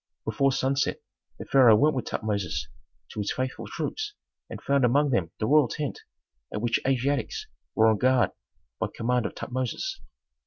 Before sunset, the pharaoh went with Tutmosis to his faithful troops and found among them the royal tent, at which Asiatics were on guard by command of Tutmosis.